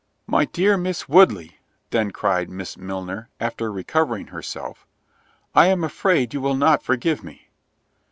"My dear Miss Woodley," (then cried Miss Milner, after recovering herself) "I am afraid you will not forgive me."